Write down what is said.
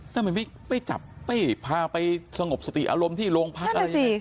ทำไมไม่ไปจับไปพาไปสงบสติอารมณ์ที่โรงพรรคนั่นแหละสิ